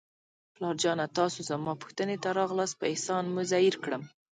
پلار جانه، تاسو زما پوښتنې ته راغلاست، په احسان مې زیر کړم.